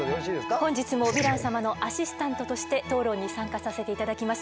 本日もヴィラン様のアシスタントとして討論に参加させて頂きます